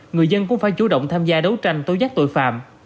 người dân cũng phải chủ động tham gia đấu tranh tối giác tội phạm